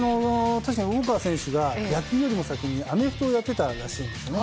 確かにウォーカー選手が野球よりも先にアメフトをやっていたらしいんですね。